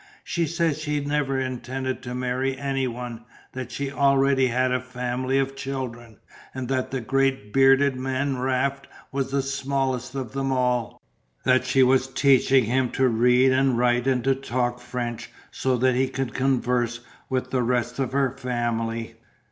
She said she never intended to marry any one, that she already had a family of 'children' and that the great bearded man Raft was the smallest of them all, that she was teaching him to read and write and to talk French so that he could converse with the rest of her family.